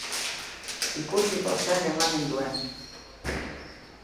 Ikusiko zer emanen duen!